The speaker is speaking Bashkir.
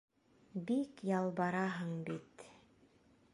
Бик ялбараһың бит...